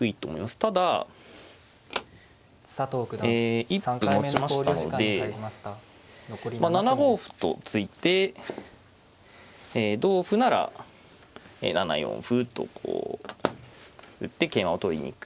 ただえ一歩持ちましたので７五歩と突いて同歩なら７四歩とこう打って桂馬を取りに行く。